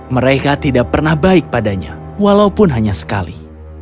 mereka tidak pernah baik padanya walaupun hanya sekali